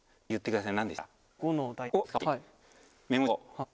食べてください！